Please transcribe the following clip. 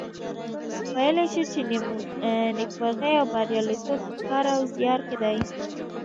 ویلای شو چې نیکمرغي او بریالیتوب په کار او زیار کې دي.